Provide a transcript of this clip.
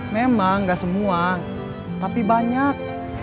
memang nggak semua tapi banyak